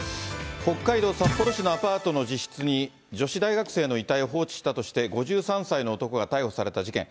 北海道札幌市のアパートの自室に女子大学生の遺体を放置したとして、５３歳の男が逮捕された事件。